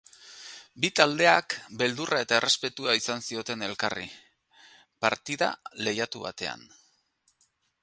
Bi taldeak beldurra eta errespetua izan zioten elkarri, partida lehiatu batean.